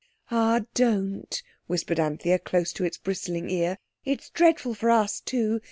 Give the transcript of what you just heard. "Ah, don't," whispered Anthea close to its bristling ear; "it's dreadful for us too.